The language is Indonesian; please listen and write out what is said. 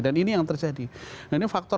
dan ini yang terjadi nah ini fakta